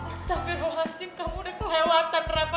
astaghfirullahaladzim kamu udah kelewatan reva